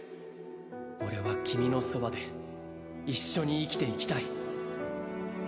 俺は君のそばで一緒に生きていきたい